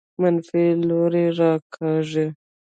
منفي لوري راکاږي.